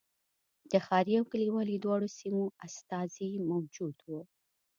د ښاري او کلیوالي دواړو سیمو استازي موجود و.